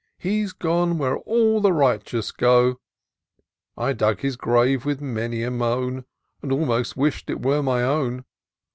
He's gone where all the righteous go. I dug his grave with many a moan. And almost wish'd it were my own.